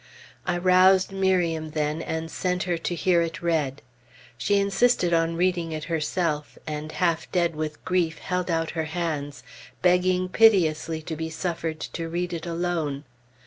I roused Miriam then and sent her to hear it read. She insisted on reading it herself, and half dead with grief held out her hands, begging piteously to be suffered to read it alone.